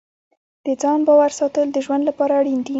د ځان باور ساتل د ژوند لپاره اړین دي.